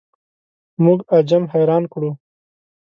موږ عجم حیران کړو.